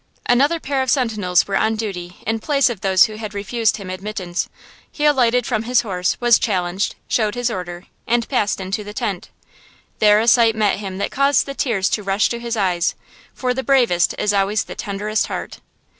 Another pair of sentinels were on duty in place of those who had refused him admittance. He alighted from his horse, was challenged, showed his order, and passed into the tent. There a sight met him that caused the tears to rush to his eyes–for the bravest is always the tenderest heart.